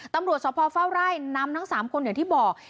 ตำรวจสภเฝ้าไร่นำทั้ง๓คนอย่างที่บอก